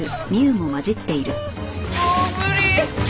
もう無理！